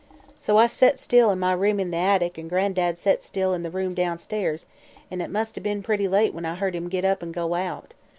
"So I set still in my room in the attic, an' Gran'dad set still in the room downstairs, an' it must 'a' be'n pretty late when I heard him get up an' go out.